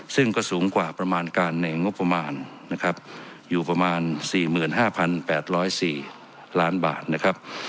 ซึ่งก็สูงกว่าประมาณการในงบประมาณนะครับอยู่ประมาณสี่หมื่นห้าพันแปดร้อยสี่ล้านบาทนะครับ